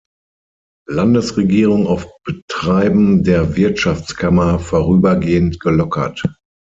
Landesregierung auf Betreiben der Wirtschaftskammer vorübergehend gelockert.